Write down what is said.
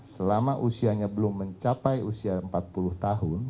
selama usianya belum mencapai usia empat puluh tahun